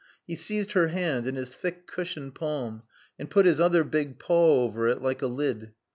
He seized her hand in his thick cushioned palm, and put his other big paw over it like a lid.